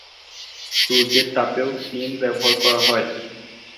সূর্যের তাপেও ক্রিম ব্যবহার করা হয়।